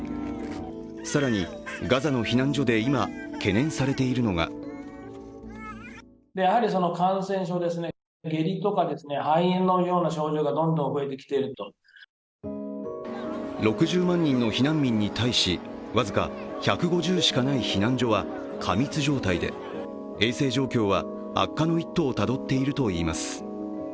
更に、ガザの避難所で今、懸念されているのが６０万人の避難民に対し僅か１５０しかない避難所は過密状態で、衛生状況は悪化の一途をたどっているといいます。